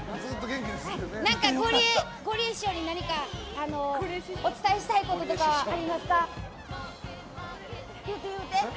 ゴリエ師匠に何かお伝えしたいことありますか？